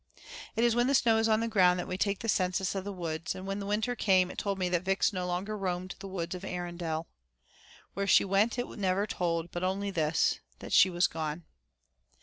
It is when the snow is on the ground that we take the census of the woods, and when the winter came it told me that Vix no longer roamed the woods of Erindale. Where she went it never told, but only this, that she was gone.